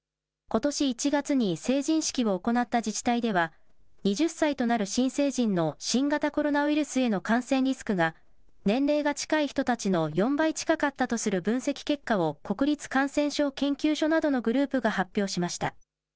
ことし１月に成人式を行った自治体では、２０歳となる新成人の新型コロナウイルスへの感染リスクが年齢が近い人たちの４倍近かったとする分析結果を国立感染症研究所などのグループが発表しました。